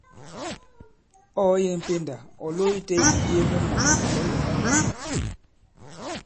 Ɔ̂ ɔ̀ yeŋ pendà ɔ̀ lo itē ì-ŋ̀yee mu mwà, ɔ̌ nɛ̄.